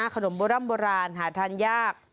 ขนมโบราณหาทานยาก